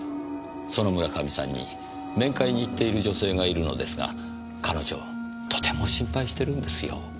その村上さんに面会に行っている女性がいるのですが彼女とても心配してるんですよ。